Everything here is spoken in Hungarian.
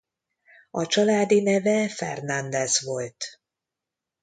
A családi neve Fernandes volt.